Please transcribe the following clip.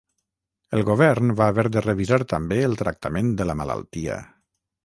El govern va haver de revisar també el tractament de la malaltia.